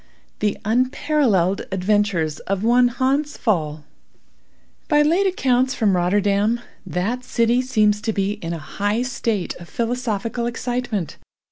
THE UNPARALLELED ADVENTURES OF ONE HANS PFAAL (*1) By late accounts from Rotterdam, that city seems to be in a high state of philosophical excitement.